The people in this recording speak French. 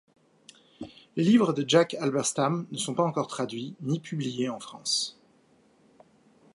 Les livres de Jack Halberstam ne sont pas encore traduits ni publiés en France.